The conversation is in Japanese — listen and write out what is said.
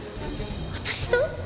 私と？